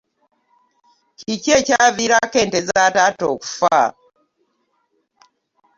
Kiki ekyaviirako ente za taata okufa?